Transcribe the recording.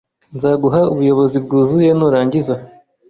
Nzaguha ubuyobozi bwuzuye nurangiza